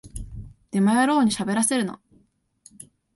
デマ野郎にしゃべらせるな